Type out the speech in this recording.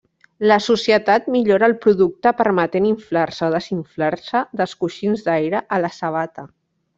La societat millora el producte permetent inflar-se o desinflar-se dels coixins d'aire a la sabata.